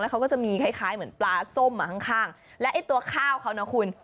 แล้วเขาก็จะมีคล้ายเหมือนปลาส้มมาข้างและตัวข้าวเขานะคุณ